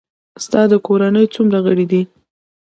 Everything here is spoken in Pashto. ستا د کورنۍ څومره غړي دي؟